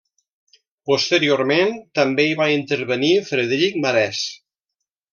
Posteriorment també hi va intervenir Frederic Marès.